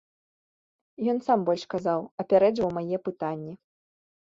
Ён сам больш казаў, апярэджваў мае пытанні.